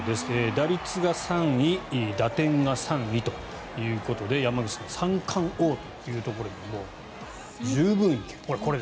打率が３位打点が３位ということで山口さん三冠王というところにも十分行ける。